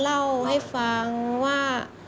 เล่าให้ฟังว่า